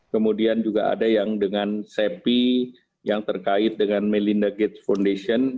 kemudian juga ada yang dengan sepi yang terkait dengan melinda gates foundation